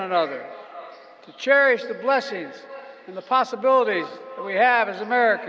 untuk menghargai kebenaran dan kemungkinan yang kita miliki sebagai amerika